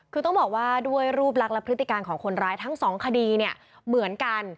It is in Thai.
คือต้องบอกว่าด้วยรูปลักษณ์และพฤติการของคนร้ายทั้งสองคดีเนี่ยเหมือนกัน